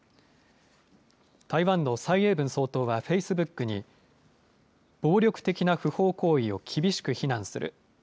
台湾の蔡英文総統は、フェイスブックに、暴力的な不法行為を厳しく非難する。